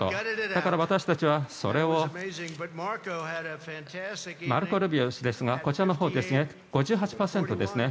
だから私たちはそれをマルコ・ルビオ氏ですがこちらのほうですね。